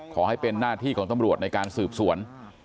ขอให้เป็นหน้าที่ของตำรวจในการสืบสวน